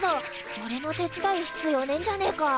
おれの手伝う必要ねえんじゃねえか？